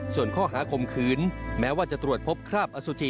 ส่วนข้อหาข่มขืนแม้ว่าจะตรวจพบคราบอสุจิ